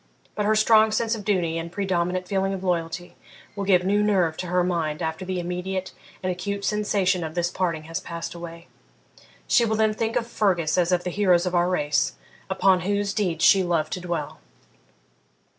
But her strong sense of duty and predominant feeling of loyalty will give new nerve to her mind after the immediate and acute sensation of this parting has passed away. She will then think of Fergus as of the heroes of our race, upon whose deeds she loved to dwell.'